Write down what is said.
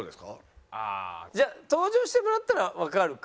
登場してもらったらわかるか。